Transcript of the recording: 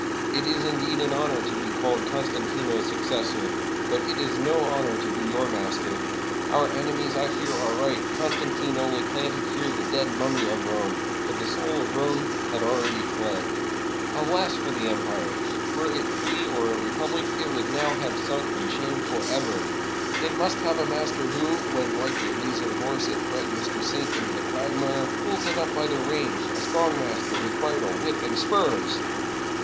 It is, indeed, an honor to be called Constantino's suc cessor, but it is no honor to be your master! Our ene mies, I fear, are right; Constantine only planted here the dead mummy of Rome, but the soul of Rome had al ready fled. Alas for the empire ! Were it free or a repub lic, it would now have sunk in shame forever. It must have a master, who, when, like a lazy horse, it threatens to sink into the quagmire, pulls it up by the rein; a strong master with bridle, whip, and spurs!"